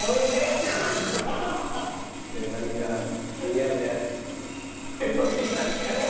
レバニラ似合う。